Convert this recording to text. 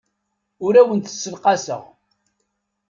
Ur awent-d-ssenqaseɣ.